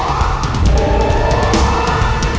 masuklah ke hutan ini